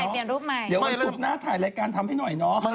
เดี๋ยววันสุดหน้าถ่ายรายการทำให้หน่อยเนาะ